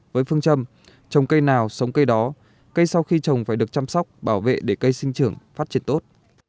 với phương châm trồng cây nào sống cây đó cây sau khi trồng phải được chăm sóc bảo vệ để cây sinh trưởng phát triển tốt